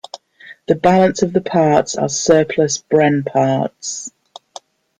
The balance of the parts are surplus Bren parts.